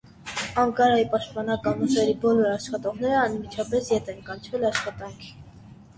Անկարայի պաշտպանական ուժերի բոլոր աշխատողները անմիջապես ետ են կանչվել աշխատանքի։